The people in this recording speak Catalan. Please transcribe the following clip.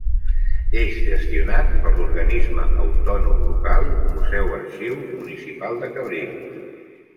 És gestionat per l'Organisme Autònom Local Museu-Arxiu Municipal de Cabrils.